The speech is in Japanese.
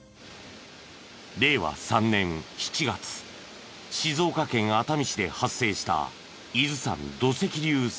令和３年７月静岡県熱海市で発生した伊豆山土石流災害。